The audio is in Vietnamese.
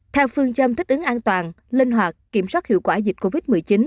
theo phương châm thích ứng an toàn linh hoạt kiểm soát hiệu quả dịch covid một mươi chín